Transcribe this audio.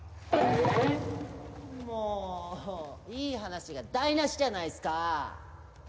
もういい話が台なしじゃないっすか！